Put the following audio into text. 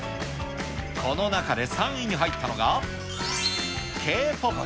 この中で３位に入ったのが、Ｋ−ＰＯＰ。